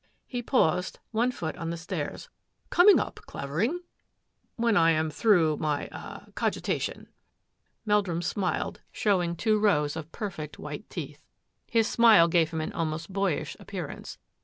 He paused, one foot on the stairs. " Co up, Clavering? "" When I am through my — ah — cogitat Meldrum smiled, showing two rows of pe white teeth. His smile gave him an almost h appearance.